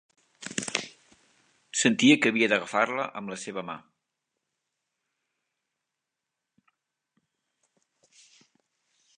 Sentia que havia d'agafar-la amb la seva mà.